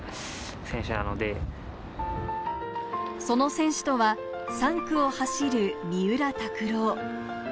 その選手とは３区を走る三浦拓朗。